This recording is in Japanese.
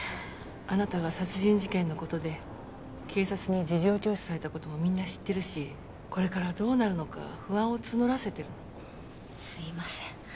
あなたが殺人事件のことで警察に事情聴取されたこともみんな知ってるしこれからどうなるのか不安を募らせてるのすいません